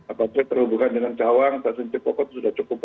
apalagi terhubungan dengan cawang stasiun cipoko itu sudah cukup bagus ya